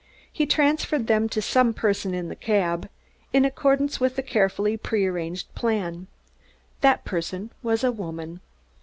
He transferred them to some person in the cab, in accordance with a carefully prearranged plan. That person was a woman!"